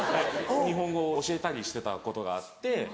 日本語を教えたりしてたことがあって。